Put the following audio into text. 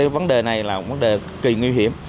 vấn đề này là vấn đề kỳ nguy hiểm